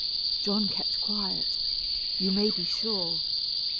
John kept quiet, you may be sure.